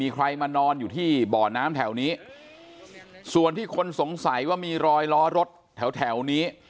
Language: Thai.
ใครมานอนอยู่ที่บ่อน้ำแถวนี้ส่วนที่คนสงสัยว่ามีรอยล้อรถแถวแถวนี้